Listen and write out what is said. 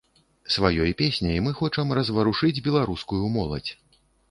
Сваёй песняй мы хочам разварушыць беларускую моладзь.